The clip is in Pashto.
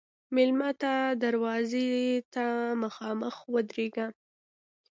مېلمه ته دروازې ته مخامخ ودریږه.